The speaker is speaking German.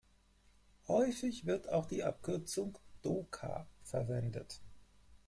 Häufig wird auch die Abkürzung „Doka“ verwendet.